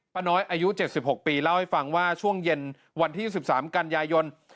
น้อยอายุ๗๖ปีเล่าให้ฟังว่าช่วงเย็นวันที่๑๓กันยายน